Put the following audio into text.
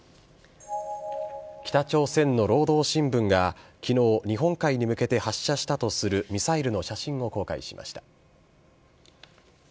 北朝鮮の労働新聞がきのう、日本海に向けて発射したとするミサイルの写真を公開しました。